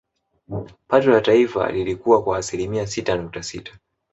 Pato la taifa lilikua kwa asilimia sita nukta sita